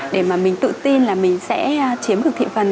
để mà mình tự tin là mình sẽ chiếm được thị phần